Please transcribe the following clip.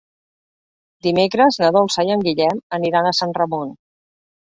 Dimecres na Dolça i en Guillem aniran a Sant Ramon.